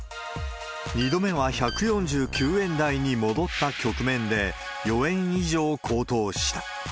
２度目は１４９円台に戻った局面で、４円以上高騰した。